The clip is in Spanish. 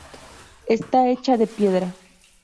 Está hecha de piedra.